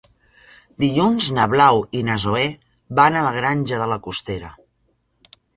Dilluns na Blau i na Zoè van a la Granja de la Costera.